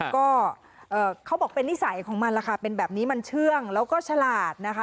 ก็เขาบอกเป็นนิสัยของมันล่ะค่ะเป็นแบบนี้มันเชื่องแล้วก็ฉลาดนะคะ